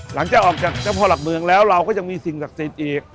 หลังจากออกจากเจ้าพ่อหลักเมืองแล้วเราก็ยังมีสิ่งศักดิ์สิทธิ์อีก